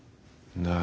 何？